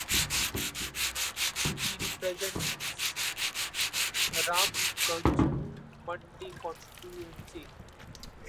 He represents Ramganj mandi constituency.